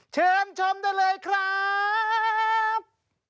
เชิญชมได้เลยครับ